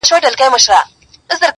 • کيسه د بحث مرکز ګرځي تل,